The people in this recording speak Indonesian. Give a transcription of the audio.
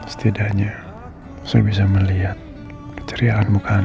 setidaknya saya bisa melihat keceriaan muka anda